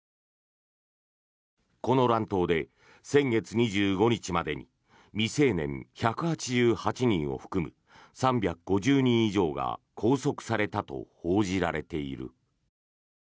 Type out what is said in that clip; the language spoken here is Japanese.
この乱闘で先月２５日までに未成年１８８人を含む３５０人以上が拘束されたと報じられている。